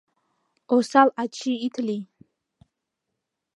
Осал ачий ит лий...